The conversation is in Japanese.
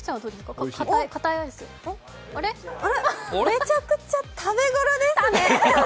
めちゃくちゃ食べ頃ですね。